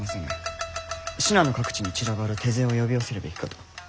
信濃各地に散らばる手勢を呼び寄せるべきかと。